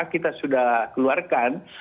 kita sudah keluarkan